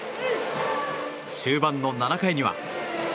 終盤の７回には。